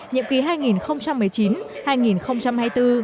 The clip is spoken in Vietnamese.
nhiệm kỳ hai nghìn một mươi chín hai nghìn hai mươi bốn